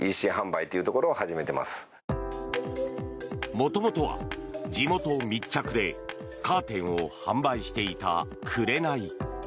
元々は地元密着でカーテンを販売していたくれない。